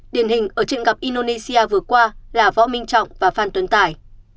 điển hình ở trận gặp indonesia vừa qua là võ minh trọng và phan tuấn tài